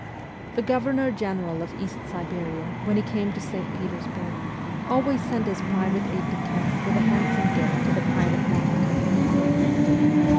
The governor general of East Siberia, when he came to St. Petersburg, always sent his private aide de camp with a handsome gift to the private valet of the emperor.